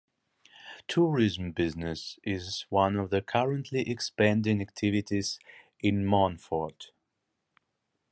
Tourism business is one of the currently expanding activities in Monforte.